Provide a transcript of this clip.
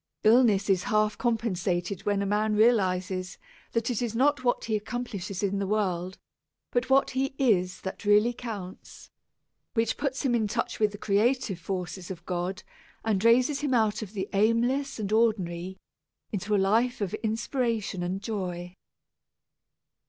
Illness is half compensated when a man realizes that it is not what he accomplishes in the world, but what he is that really counts, which puts him in touch with the creative forces of God and raises him out of the aimless and ordinary into a life of inspiration and joy.